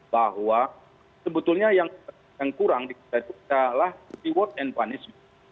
bahwa sebetulnya yang kurang dikatakan adalah reward and punishment